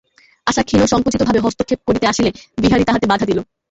আশা ক্ষীণ সংকুচিত ভাবে হস্তক্ষেপ করিতে আসিলে, বিহারী তাহাতে বাধা দিল।